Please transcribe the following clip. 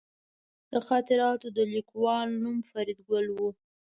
د خاطراتو د لیکوال نوم فریدګل و